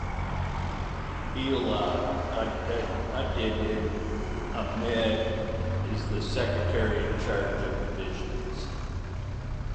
Helal Uddin Ahmed is the secretary in charge of division.